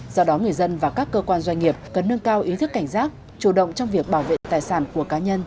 do đó người dân và các cơ quan doanh nghiệp cần nâng cao ý thức cảnh giác chủ động trong việc bảo vệ tài sản của cá nhân